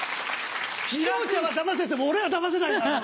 視聴者はだませても俺はだませないからな。